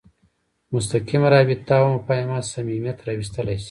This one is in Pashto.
مستقیمه رابطه او مفاهمه صمیمیت راوستلی شي.